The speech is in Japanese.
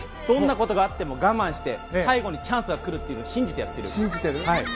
どんなことがあっても我慢して最後にチャンスが来るのを信じてやっている。